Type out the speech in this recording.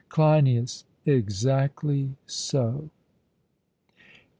CLEINIAS: Exactly so.